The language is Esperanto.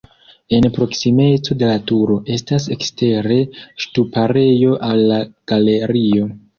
En proksimeco de la turo estas ekstere ŝtuparejo al la galerio.